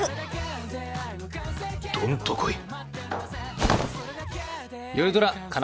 どんと来い。